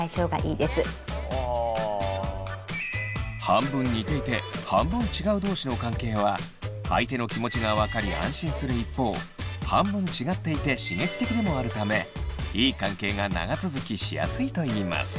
半分似ていて半分違う同士の関係は相手の気持ちが分かり安心する一方半分違っていて刺激的でもあるためいい関係が長続きしやすいといいます。